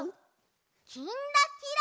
「きんらきら」。